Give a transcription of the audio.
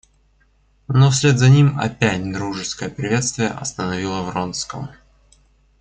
Но вслед за ним опять дружеское приветствие остановило Вронского.